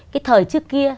cái thời trước kia